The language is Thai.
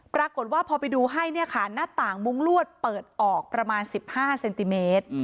ปรากฏว่าพอไปดูให้เนี่ยค่ะหน้าต่างมุ้งลวดเปิดออกประมาณ๑๕เซนติเมตร